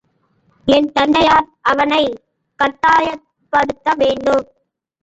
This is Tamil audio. என் தந்தையார், அவனைக் கட்டாயப்படுத்த வேண்டாம்.